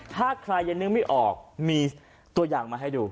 ถ้าใครยังนึกไม่ออกมีตัวอย่างมาให้ดู